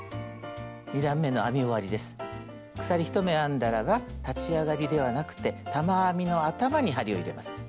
鎖１目編んだらば立ち上がりではなくて玉編みの頭に針を入れます。